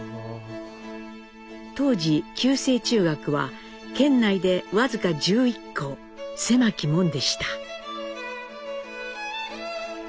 当時旧制中学は県内で僅か１１校狭き門でした。